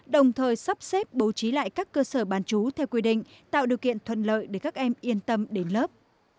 đồng thời sắp xếp bố trí lại các cơ sở bán chú theo quy định tạo điều kiện thuận lợi để các em yên tâm đến lớp